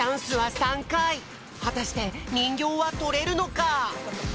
はたしてにんぎょうはとれるのか！？